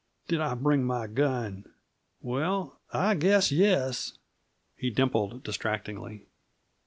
Did I bring m' gun! Well, I guess yes!" He dimpled distractingly.